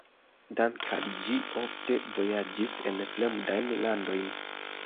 Dank`al ĝi ofte vojaĝis en fremdajn landojn.